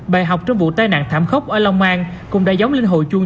bài học trong vụ tai nạn thảm khốc ở long an cũng đã giống linh hội chuông